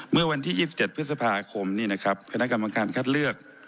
เมื่อวันที่๒๗พฤษภาคมคณะกรรมการคัดเลือก